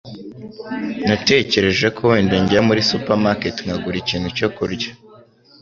Natekereje ko wenda njya muri supermarket nkagura ikintu cyo kurya.